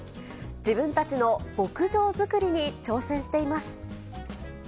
自分たちの牧場作りに挑戦しています。